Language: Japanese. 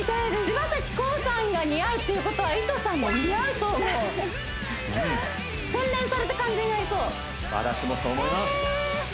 柴咲コウさんが似合うっていうことはいとさんも似合うと思う洗練された感じになりそう私もそう思います